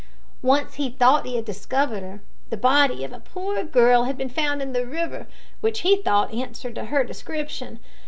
Once he thought he had discovered her. The body of a poor girl had been found in the river, which he thought answered to her description.